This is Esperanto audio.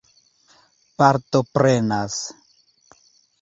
partoprenas